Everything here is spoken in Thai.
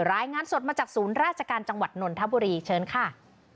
รายงานสดมาจากศูนย์ราชการจังหวัดนนทบุรีเชิญค่ะ